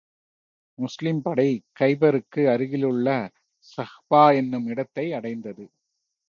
முஸ்லிம் படை, கைபருக்கு அருகிலுள்ள ஸஹ்பா என்னும் இடத்தை அடைந்தது.